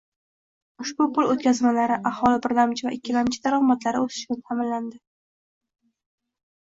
Ushbu pul o‘tkazmalari aholi birlamchi va ikkilamchi daromadlari o‘sishini ta’minladi